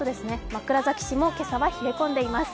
枕崎市も今朝は冷え込んでいます。